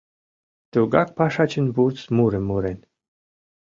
Тугак пашачын вурс мурым мурен